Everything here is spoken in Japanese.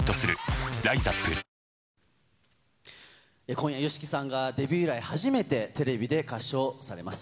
今夜、ＹＯＳＨＩＫＩさんが、デビュー以来、初めてテレビで歌唱されます。